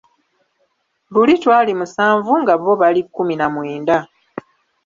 Luli twali musanvu nga bo bali kkumi na mwenda.